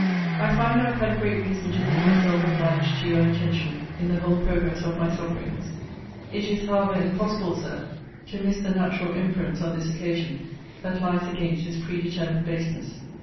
I find I have had great reason to think myself obliged to your intention in the whole progress of my sufferings. It is, however, impossible, Sir, to miss the natural inference on this occasion that lies against his predetermined baseness.